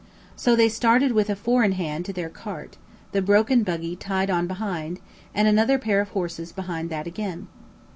So they started with a four in hand to their cart, the broken buggy tied on behind, and another pair of horses behind that again.